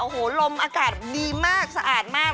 โอ้โหลมอากาศดีมากสะอาดมาก